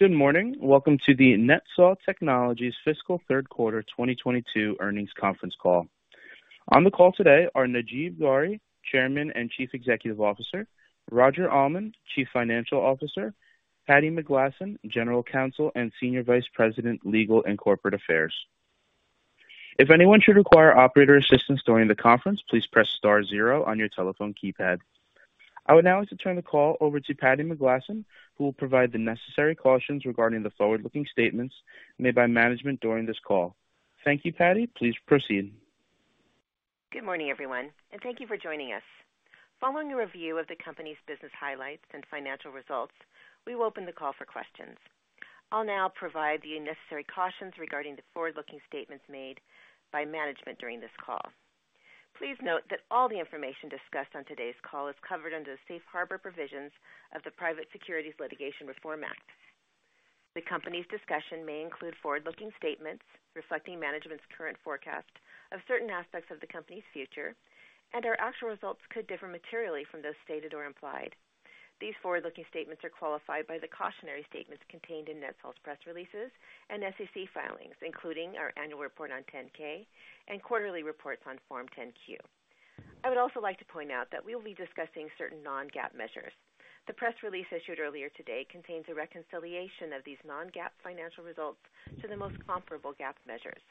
Good morning. Welcome to the NetSol Technologies Fiscal Third Quarter 2022 earnings conference call. On the call today are Najeeb Ghauri, Chairman and Chief Executive Officer, Roger Almond, Chief Financial Officer, Patti McGlasson, General Counsel and Senior Vice President, Legal and Corporate Affairs. If anyone should require operator assistance during the conference, please press star zero on your telephone keypad. I would now like to turn the call over to Patti McGlasson, who will provide the necessary cautions regarding the forward-looking statements made by management during this call. Thank you, Patti. Please proceed. Good morning, everyone, and thank you for joining us. Following a review of the company's business highlights and financial results, we will open the call for questions. I'll now provide the necessary cautions regarding the forward-looking statements made by management during this call. Please note that all the information discussed on today's call is covered under the safe harbor provisions of the Private Securities Litigation Reform Act. The company's discussion may include forward-looking statements reflecting management's current forecast of certain aspects of the company's future, and our actual results could differ materially from those stated or implied. These forward-looking statements are qualified by the cautionary statements contained in NetSol's press releases and SEC filings, including our annual report on 10-K and quarterly reports on Form 10-Q. I would also like to point out that we will be discussing certain non-GAAP measures. The press release issued earlier today contains a reconciliation of these non-GAAP financial results to the most comparable GAAP measures.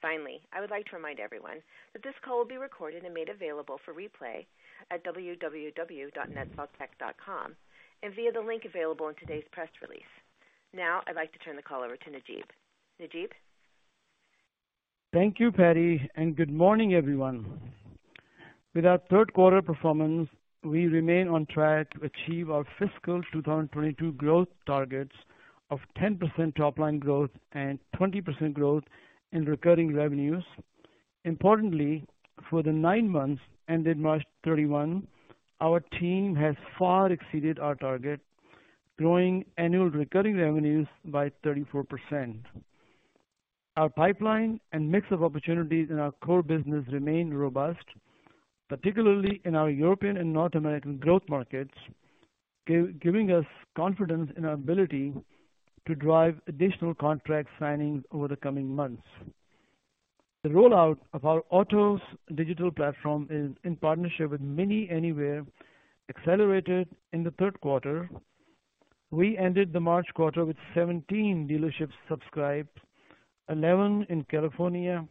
Finally, I would like to remind everyone that this call will be recorded and made available for replay at www.netsoltech.com and via the link available in today's press release. Now I'd like to turn the call over to Najeeb. Najeeb? Thank you, Patti, and good morning, everyone. With our third quarter performance, we remain on track to achieve our fiscal 2022 growth targets of 10% top line growth and 20% growth in recurring revenues. Importantly, for the nine months ended March 31, our team has far exceeded our target, growing annual recurring revenues by 34%. Our pipeline and mix of opportunities in our core business remain robust, particularly in our European and North American growth markets, giving us confidence in our ability to drive additional contract signings over the coming months. The rollout of our Otoz digital platform in partnership with MINI Anywhere accelerated in the third quarter. We ended the March quarter with 17 dealerships subscribed, 11 in California,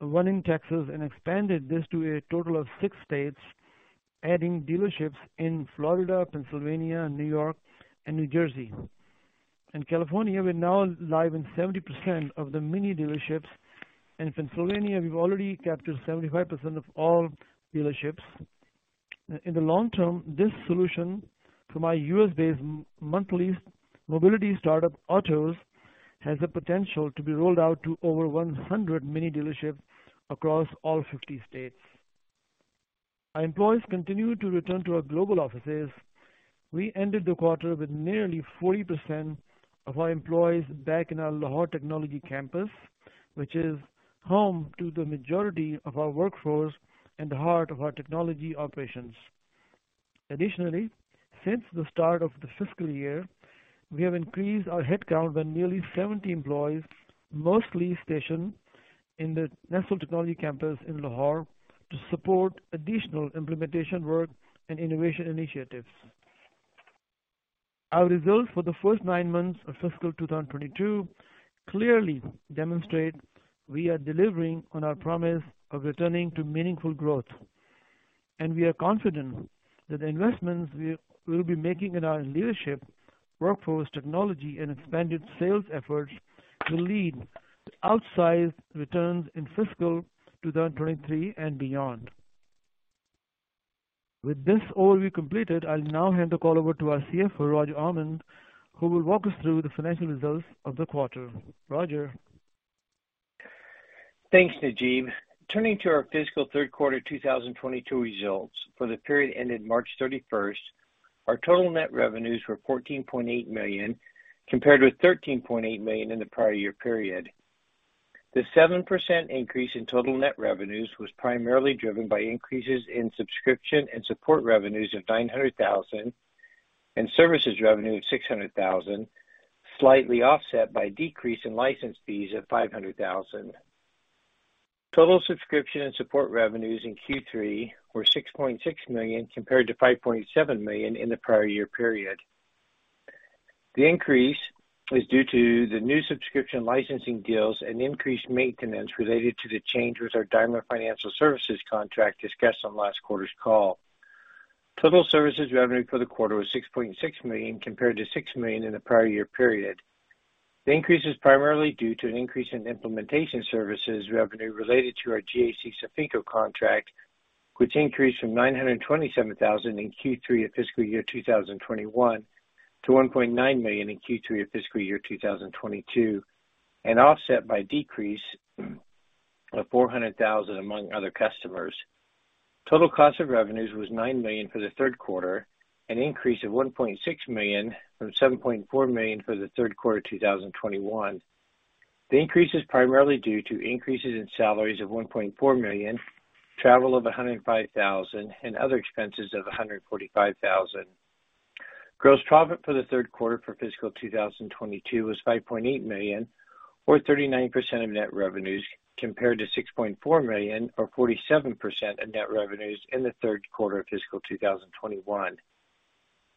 one in Texas, and expanded this to a total of 6 states, adding dealerships in Florida, Pennsylvania, New York, and New Jersey. In California, we're now live in 70% of the MINI dealerships. In Pennsylvania, we've already captured 75% of all dealerships. In the long term, this solution to my U.S.-based m-monthly mobility startup Otoz has the potential to be rolled out to over 100 MINI dealerships across all 50 states. Our employees continue to return to our global offices. We ended the quarter with nearly 40% of our employees back in our Lahore technology campus, which is home to the majority of our workforce and the heart of our technology operations. Additionally, since the start of the fiscal year, we have increased our headcount by nearly 70 employees, mostly stationed in the NetSol Technology Campus in Lahore, to support additional implementation work and innovation initiatives. Our results for the first 9 months of fiscal 2022 clearly demonstrate we are delivering on our promise of returning to meaningful growth, and we are confident that the investments we will be making in our leadership, workforce technology, and expanded sales efforts will lead to outsized returns in fiscal 2023 and beyond. With this overview completed, I'll now hand the call over to our CFO, Roger Almond, who will walk us through the financial results of the quarter. Roger? Thanks, Najeeb. Turning to our fiscal third quarter 2022 results for the period ended March thirty-first. Our total net revenues were $14.8 million, compared with $13.8 million in the prior year period. The 7% increase in total net revenues was primarily driven by increases in subscription and support revenues of $900 thousand and services revenue of $600 thousand, slightly offset by decrease in license fees of $500 thousand. Total subscription and support revenues in Q3 were $6.6 million compared to $5.7 million in the prior year period. The increase is due to the new subscription licensing deals and increased maintenance related to the change with our Daimler Financial Services contract discussed on last quarter's call. Total services revenue for the quarter was $6.6 million, compared to $6 million in the prior year period. The increase is primarily due to an increase in implementation services revenue related to our GAC Sofinco contract, which increased from $927 thousand in Q3 of fiscal year 2021 to $1.9 million in Q3 of fiscal year 2022, and offset by decrease of $400 thousand among other customers. Total cost of revenues was $9 million for the third quarter, an increase of $1.6 million from $7.4 million for the third quarter 2021. The increase is primarily due to increases in salaries of $1.4 million, travel of $105 thousand, and other expenses of $145 thousand. Gross profit for the third quarter of fiscal 2022 was $5.8 million, or 39% of net revenues, compared to $6.4 million or 47% of net revenues in the third quarter of fiscal 2021.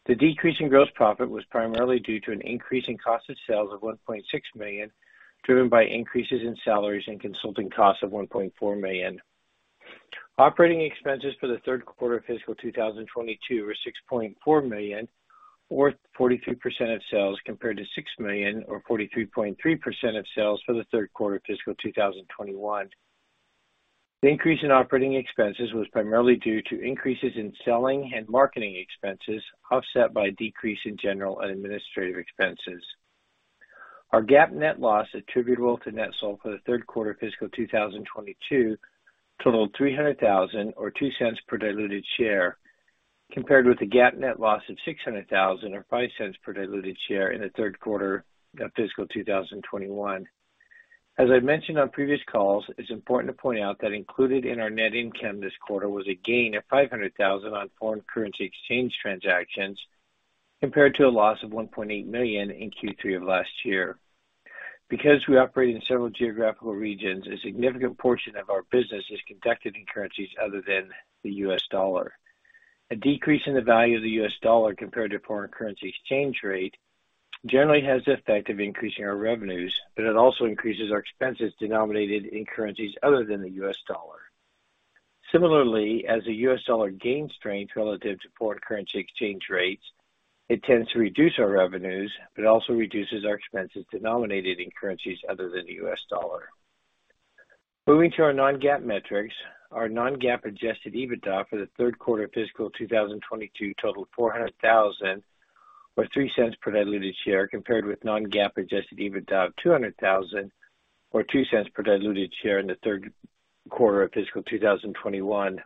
The decrease in gross profit was primarily due to an increase in cost of sales of $1.6 million, driven by increases in salaries and consulting costs of $1.4 million. Operating expenses for the third quarter of fiscal 2022 were $6.4 million or 43% of sales, compared to $6 million or 43.3% of sales for the third quarter of fiscal 2021. The increase in operating expenses was primarily due to increases in selling and marketing expenses, offset by decrease in general and administrative expenses. Our GAAP net loss attributable to NetSol for the third quarter of fiscal 2022 totaled $300,000 or $0.02 per diluted share, compared with the GAAP net loss of $600,000 or $0.05 per diluted share in the third quarter of fiscal 2021. As I've mentioned on previous calls, it's important to point out that included in our net income this quarter was a gain of $500,000 on foreign currency exchange transactions, compared to a loss of $1.8 million in Q3 of last year. Because we operate in several geographical regions, a significant portion of our business is conducted in currencies other than the US dollar. A decrease in the value of the U.S. dollar compared to foreign currency exchange rate generally has the effect of increasing our revenues, but it also increases our expenses denominated in currencies other than the U.S. dollar. Similarly, as the U.S. dollar gains strength relative to foreign currency exchange rates, it tends to reduce our revenues, but also reduces our expenses denominated in currencies other than the U.S. dollar. Moving to our non-GAAP metrics. Our non-GAAP adjusted EBITDA for the third quarter of fiscal 2022 totaled $400,000 or $0.03 per diluted share, compared with non-GAAP adjusted EBITDA of $200,000 or $0.02 per diluted share in the third quarter of fiscal 2021.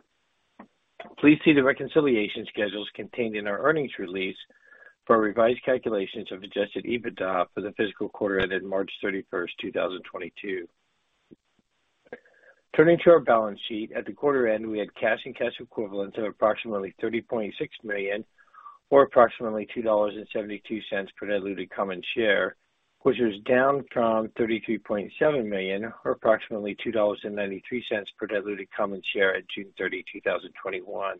Please see the reconciliation schedules contained in our earnings release for revised calculations of adjusted EBITDA for the fiscal quarter ended March 31, 2022. Turning to our balance sheet. At the quarter end, we had cash and cash equivalents of approximately $30.6 million or approximately $2.72 per diluted common share, which was down from $33.7 million or approximately $2.93 per diluted common share at June 30, 2021.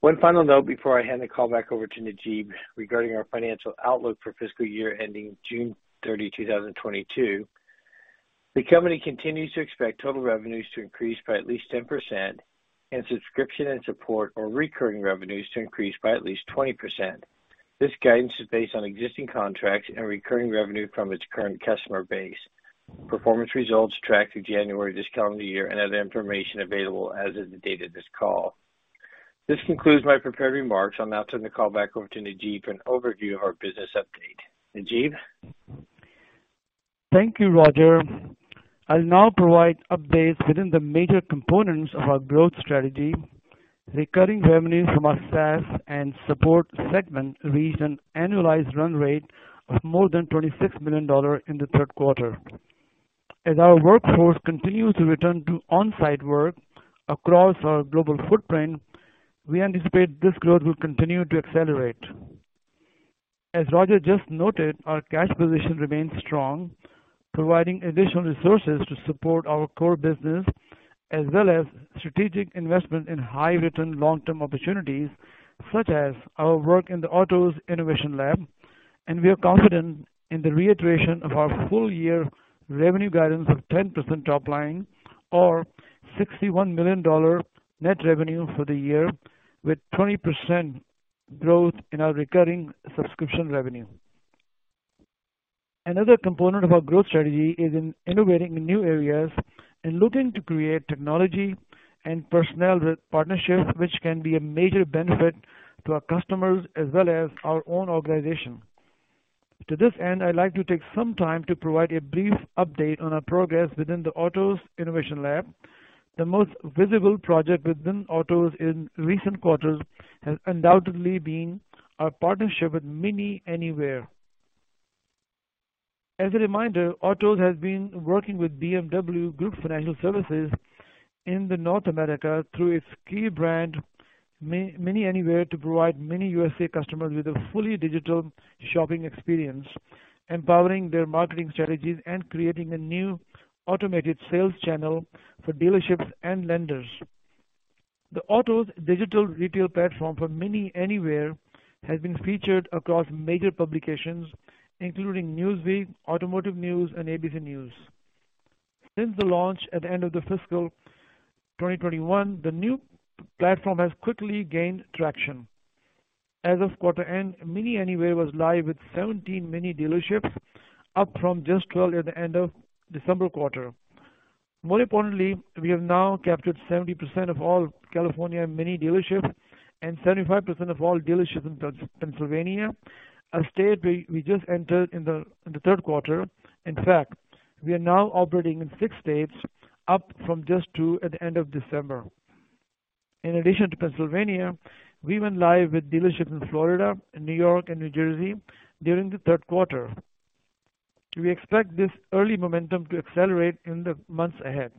One final note before I hand the call back over to Najeeb regarding our financial outlook for fiscal year ending June 30, 2022, the company continues to expect total revenues to increase by at least 10% and subscription and support or recurring revenues to increase by at least 20%. This guidance is based on existing contracts and recurring revenue from its current customer base, performance results tracked through January this calendar year, and other information available as of the date of this call. This concludes my prepared remarks. I'll now turn the call back over to Najeeb for an overview of our business update. Najeeb? Thank you, Roger. I'll now provide updates within the major components of our growth strategy. Recurring revenues from our SaaS and support segment reached an annualized run rate of more than $26 million in the third quarter. As our workforce continues to return to on-site work across our global footprint, we anticipate this growth will continue to accelerate. As Roger just noted, our cash position remains strong, providing additional resources to support our core business as well as strategic investment in high return long term opportunities such as our work in the OTOZ Innovation Lab. We are confident in the reiteration of our full year revenue guidance of 10% top line or $61 million net revenue for the year with 20% growth in our recurring subscription revenue. Another component of our growth strategy is in innovating in new areas and looking to create technology and personnel partnerships which can be a major benefit to our customers as well as our own organization. To this end, I'd like to take some time to provide a brief update on our progress within the OTOZ Innovation Lab. The most visible project within Otoz in recent quarters has undoubtedly been our partnership with MINI Anywhere. As a reminder, Otoz has been working with BMW Group Financial Services in North America through its key brand, MINI Anywhere, to provide MINI USA customers with a fully digital shopping experience, empowering their marketing strategies and creating a new automated sales channel for dealerships and lenders. The Otoz digital retail platform for MINI Anywhere has been featured across major publications including Newsweek, Automotive News and ABC News. Since the launch at the end of the fiscal 2021, the new platform has quickly gained traction. As of quarter end, MINI Anywhere was live with 17 MINI dealerships, up from just 12 at the end of December quarter. More importantly, we have now captured 70% of all California MINI dealerships and 75% of all dealerships in Pennsylvania, a state we just entered in the third quarter. In fact, we are now operating in six states, up from just two at the end of December. In addition to Pennsylvania, we went live with dealerships in Florida, New York and New Jersey during the third quarter. We expect this early momentum to accelerate in the months ahead.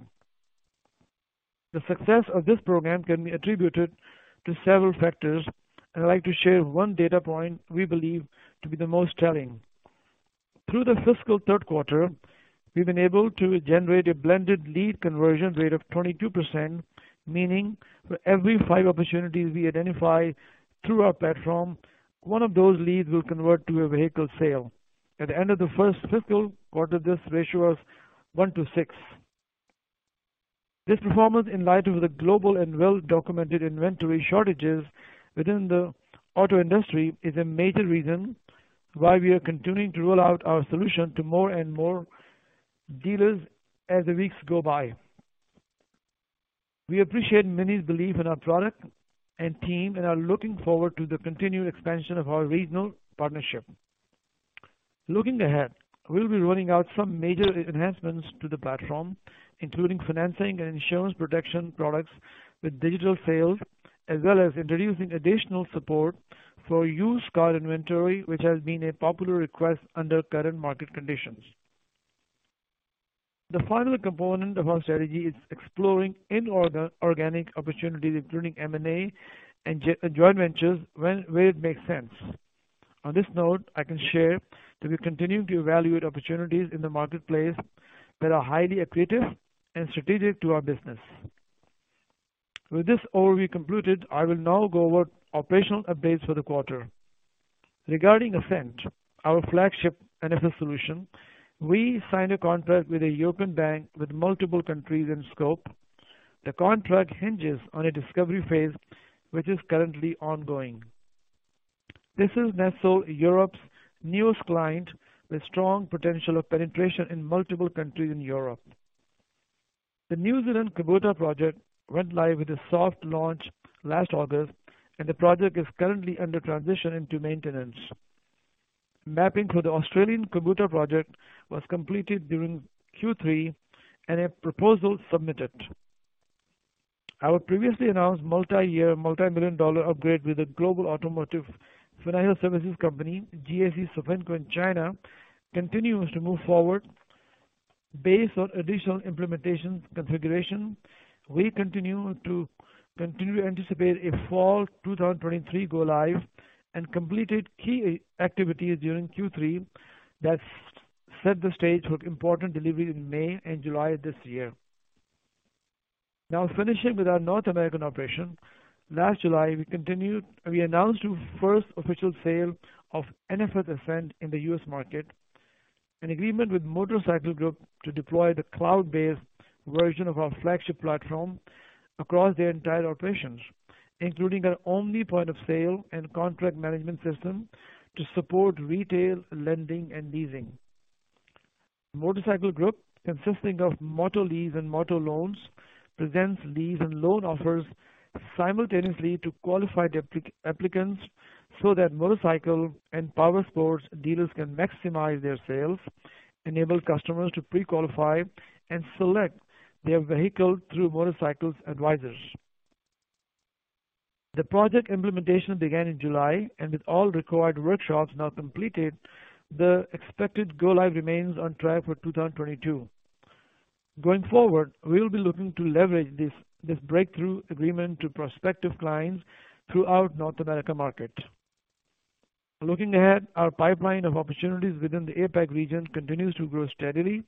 The success of this program can be attributed to several factors, and I'd like to share one data point we believe to be the most telling. Through the fiscal third quarter, we've been able to generate a blended lead conversion rate of 22%, meaning for every 5 opportunities we identify through our platform, one of those leads will convert to a vehicle sale. At the end of the first fiscal quarter, this ratio was 1 to 6. This performance, in light of the global and well-documented inventory shortages within the auto industry, is a major reason why we are continuing to roll out our solution to more and more dealers as the weeks go by. We appreciate MINI's belief in our product and team and are looking forward to the continued expansion of our regional partnership. Looking ahead, we will be rolling out some major enhancements to the platform, including financing and insurance protection products with digital sales, as well as introducing additional support for used car inventory, which has been a popular request under current market conditions. The final component of our strategy is exploring inorganic opportunities, including M&A and joint ventures where it makes sense. On this note, I can share that we continue to evaluate opportunities in the marketplace that are highly accretive and strategic to our business. With this overview concluded, I will now go over operational updates for the quarter. Regarding Ascent, our flagship NFS solution, we signed a contract with a European bank with multiple countries in scope. The contract hinges on a discovery phase which is currently ongoing. This is NetSol Europe's newest client, with strong potential of penetration in multiple countries in Europe. The New Zealand Kubota project went live with a soft launch last August, and the project is currently under transition into maintenance. Mapping for the Australian Kubota project was completed during Q3 and a proposal submitted. Our previously announced multi-year, $ multi-million-dollar upgrade with a global automotive financial services company, GAC Sofinco in China, continues to move forward based on additional implementation configuration. We continue to anticipate a fall 2023 go live and completed key activities during Q3 that set the stage for important delivery in May and July of this year. Now finishing with our North American operation. Last July, we announced the first official sale of NFS Ascent in the U.S. market, an agreement with Motorcycle Group to deploy the cloud-based version of our flagship platform across their entire operations, including an omni point of sale and contract management system to support retail, lending and leasing. Motorcycle Group, consisting of MotoLease and MotoLoan, presents lease and loan offers simultaneously to qualified applicants so that motorcycle and powersports dealers can maximize their sales, enable customers to pre-qualify and select their vehicle through Motorcycles Advisors. The project implementation began in July, and with all required workshops now completed, the expected go live remains on track for 2022. Going forward, we will be looking to leverage this breakthrough agreement to prospective clients throughout North American market. Looking ahead, our pipeline of opportunities within the APAC region continues to grow steadily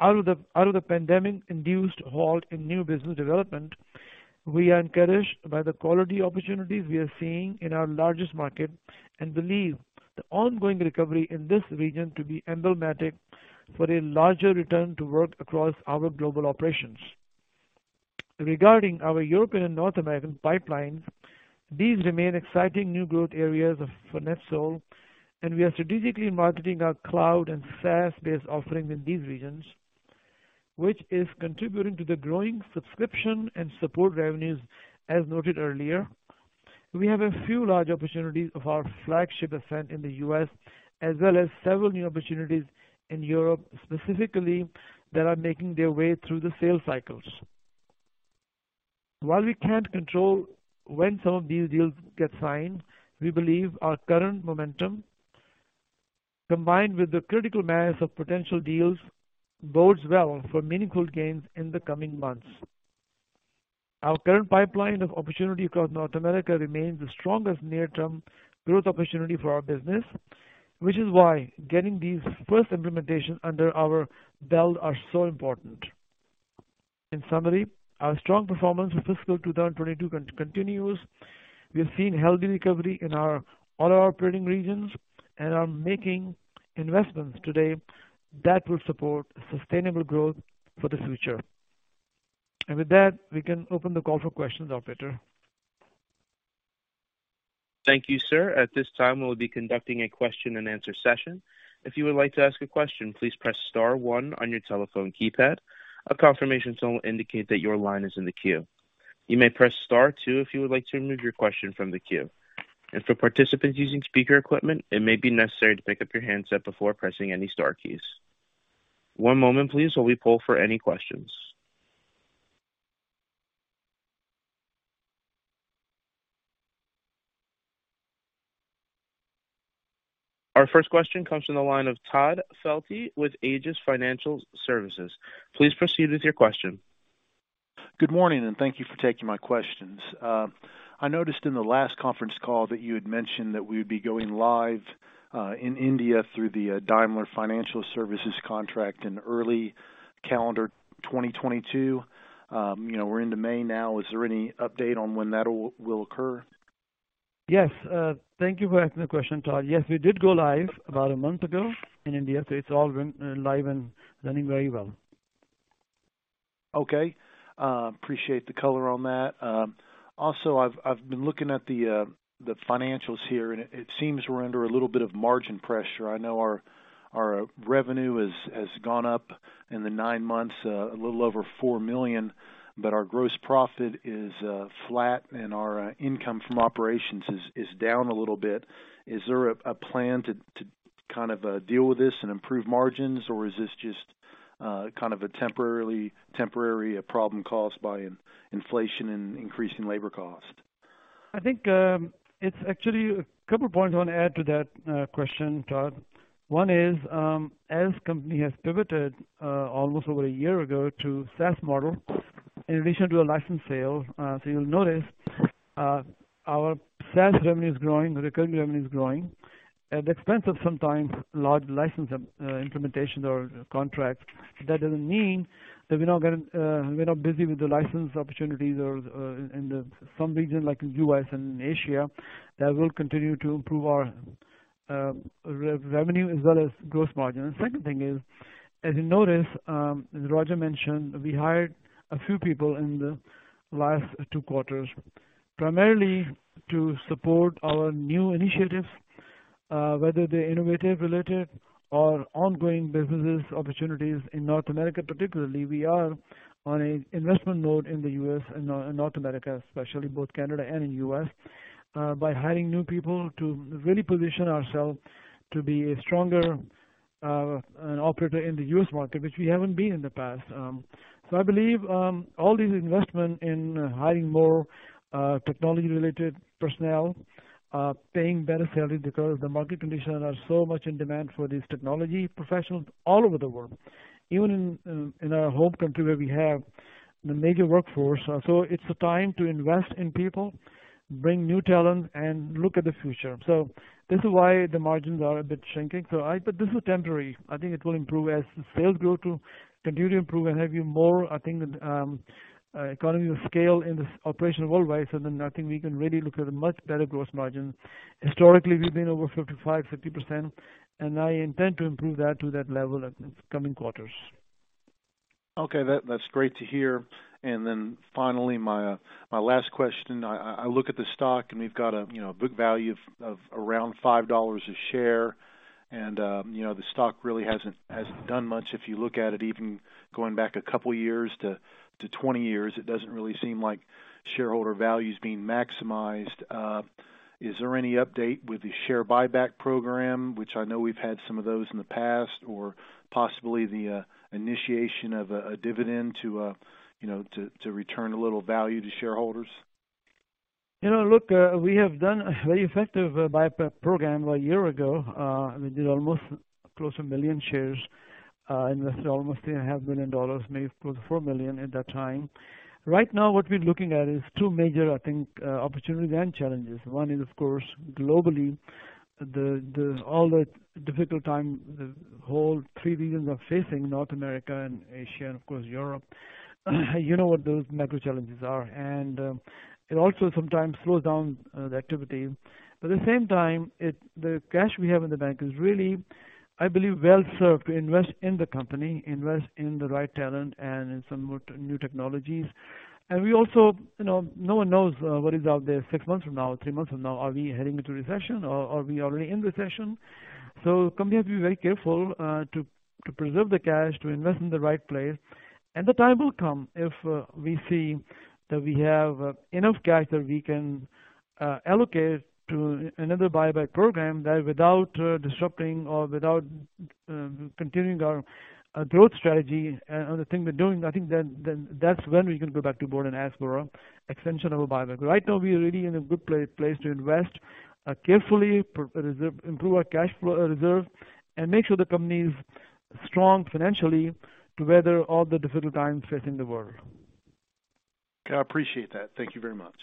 out of the pandemic-induced halt in new business development. We are encouraged by the quality opportunities we are seeing in our largest market and believe the ongoing recovery in this region to be emblematic for a larger return to work across our global operations. Regarding our European and North American pipelines, these remain exciting new growth areas for NetSol, and we are strategically marketing our cloud and SaaS-based offerings in these regions, which is contributing to the growing subscription and support revenues, as noted earlier. We have a few large opportunities of our flagship Ascent in the U.S., as well as several new opportunities in Europe specifically, that are making their way through the sales cycles. While we can't control when some of these deals get signed, we believe our current momentum, combined with the critical mass of potential deals, bodes well for meaningful gains in the coming months. Our current pipeline of opportunities across North America remains the strongest near-term growth opportunity for our business, which is why getting these first implementations under our belt are so important. In summary, our strong performance for fiscal 2022 continues. We are seeing healthy recovery in all our operating regions and are making investments today that will support sustainable growth for the future. With that, we can open the call for questions, operator. Thank you, sir. At this time, we'll be conducting a question-and-answer session. If you would like to ask a question, please press star one on your telephone keypad. A confirmation tone will indicate that your line is in the queue. You may press star two if you would like to remove your question from the queue. For participants using speaker equipment, it may be necessary to pick up your handset before pressing any star keys. One moment, please, while we poll for any questions. Our first question comes from the line of Todd Felte with AGES Financial Services. Please proceed with your question. Good morning, and thank you for taking my questions. I noticed in the last conference call that you had mentioned that we would be going live in India through the Daimler Financial Services contract in early calendar 2022. You know, we're into May now. Is there any update on when that will occur? Yes. Thank you for asking the question, Todd. Yes, we did go live about a month ago in India, so it's all been live and running very well. Okay. Appreciate the color on that. Also I've been looking at the financials here, and it seems we're under a little bit of margin pressure. I know our revenue has gone up in the nine months, a little over $4 million, but our gross profit is flat and our income from operations is down a little bit. Is there a plan to kind of deal with this and improve margins, or is this just kind of a temporary problem caused by inflation and increasing labor cost? I think, it's actually a couple points I wanna add to that question, Todd. One is, as the company has pivoted almost over a year ago to SaaS model in addition to a license sale, so you'll notice, our SaaS revenue is growing, the recurring revenue is growing at the expense of sometimes large license implementations or contracts. That doesn't mean that we're not busy with the license opportunities or, in some regions like U.S. and Asia that will continue to improve our revenue as well as gross margin. The second thing is, as you noticed, as Roger mentioned, we hired a few people in the last two quarters, primarily to support our new initiatives, whether they're innovative related or ongoing business opportunities in North America particularly. We are in an investment mode in the U.S. and North America especially, both in Canada and in the U.S., by hiring new people to really position ourselves to be a stronger operator in the U.S. market, which we haven't been in the past. I believe all these investments in hiring more technology-related personnel, paying better salaries because the market conditions are so much in demand for these technology professionals all over the world, even in our home country where we have the major workforce. It's the time to invest in people, bring new talent and look at the future. This is why the margins are a bit shrinking. This is temporary. I think it will improve as sales grow to continue to improve and have even more, I think, economies of scale in this operation worldwide. I think we can really look at a much better gross margin. Historically, we've been over 55, 50%, and I intend to improve that to that level in the coming quarters. Okay, that's great to hear. Then finally, my last question. I look at the stock, and we've got a book value of around $5 a share. The stock really hasn't done much. If you look at it even going back a couple of years to 20 years, it doesn't really seem like shareholder value is being maximized. Is there any update with the share buyback program, which I know we've had some of those in the past, or possibly the initiation of a dividend to return a little value to shareholders? You know, look, we have done a very effective buyback program a year ago. We did almost close to 1 million shares, invested almost a half million dollars, maybe close to $4 million at that time. Right now, what we're looking at is 2 major, I think, opportunities and challenges. One is of course globally all the difficult time the whole 3 regions are facing North America and Asia and of course Europe. You know what those macro challenges are. It also sometimes slows down the activity. At the same time, the cash we have in the bank is really, I believe, well-served to invest in the company, invest in the right talent and in some more new technologies. We also, you know, no one knows what is out there six months from now, three months from now. Are we heading into recession or are we already in recession? Company has to be very careful to preserve the cash, to invest in the right place. The time will come if we see that we have enough cash that we can allocate to another buyback program that without disrupting or without continuing our growth strategy and other thing we're doing, I think then that's when we can go back to board and ask for an extension of a buyback. Right now we are really in a good place to invest carefully, preserve and improve our cash flow reserve and make sure the company is strong financially to weather all the difficult times facing the world. I appreciate that. Thank you very much.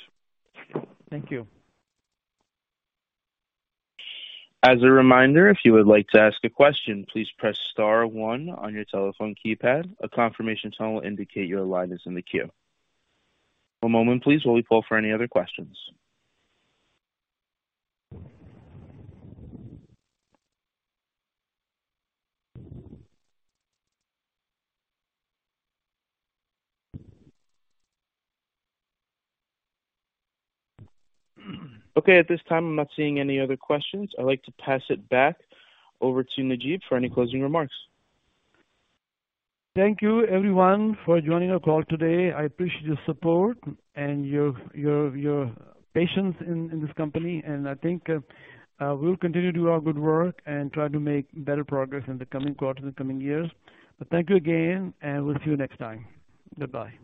Thank you. As a reminder, if you would like to ask a question, please press star one on your telephone keypad. A confirmation tone will indicate your line is in the queue. One moment, please, while we poll for any other questions. Okay, at this time, I'm not seeing any other questions. I'd like to pass it back over to Najeeb for any closing remarks. Thank you everyone for joining our call today. I appreciate your support and your patience in this company, and I think we'll continue to do our good work and try to make better progress in the coming quarters, in the coming years. Thank you again, and we'll see you next time. Goodbye.